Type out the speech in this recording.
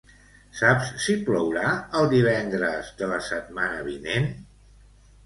Saps si plourà el divendres de la setmana vinent?